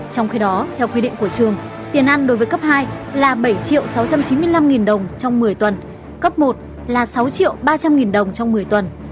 trong khi đó theo quy định của trường tiền ăn đối với cấp hai là bảy sáu trăm chín mươi năm nghìn đồng trong một mươi tuần cấp một là sáu triệu ba trăm linh nghìn đồng trong một mươi tuần